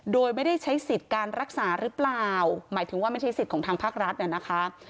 โดยไม่ได้ใช้สิทธิ์การรักษาหรือเปล่าหมายถึงว่าไม่ใช่สิทธิ์ของทางภาครัฐเนี่ยนะคะ